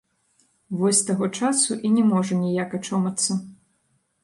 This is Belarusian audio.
Вось з таго часу і не можа ніяк ачомацца.